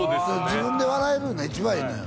自分で笑えるのは一番いいのよ